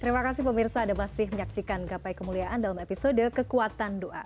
terima kasih pemirsa ada masih menyaksikan gapai kemuliaan dalam episode kekuatan doa